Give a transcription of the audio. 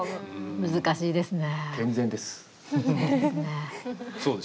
難しいですね。